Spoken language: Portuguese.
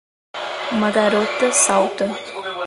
Uma garota salta.